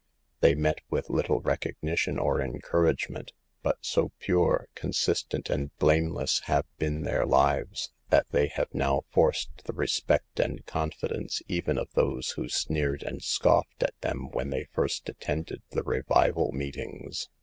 They met with little recognition or encouragement, but so pure, consistent and blameless have been their lives, that they have now forced the respect and confidence even of those who sneered and scoffed at them when they first attended the revival meetings.